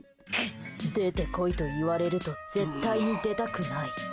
出てこいと言われると絶対に出たくない。